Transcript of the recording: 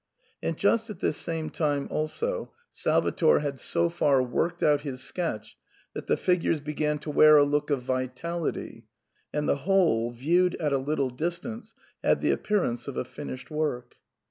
And just at this same time also Salvator had so far worked out his sketch that the figures began to wear a look of vitality, and the whole, viewed at a little distance, had the appearance of a finished work.